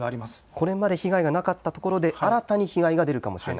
これまで被害がなかったところで新たに被害が出るかもしれない。